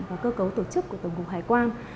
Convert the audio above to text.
và cơ cấu tổ chức của tổng cục hải quan